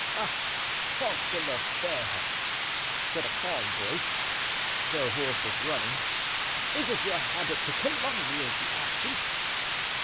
"Ah Comte de la Fere," said a calm voice, though hoarse with running, "is it your habit to calumniate the absent?"